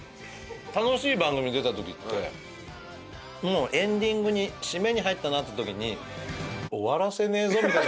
楽しい番組出たときってエンディングに締めに入ったなってときに。